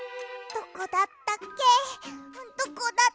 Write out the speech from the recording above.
どこだったっけ？